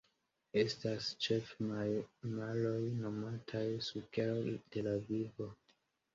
Estas ĉefe maroj nomataj sukero de la vivo.